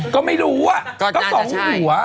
ก็ไม่รู้อะก็สองหัว